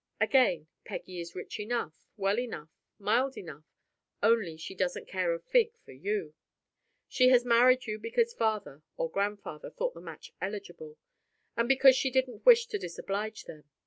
Again, Peggy is rich enough, well enough, mild enough, only she doesn't care a fig for you. She has married you because father or grandfather thought the match eligible, and because she didn't wish to disoblige them.